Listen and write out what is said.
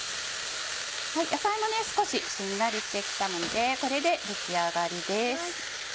野菜も少ししんなりしてきたのでこれで出来上がりです。